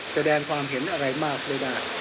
แสดงความเห็นอะไรมากเลยนะ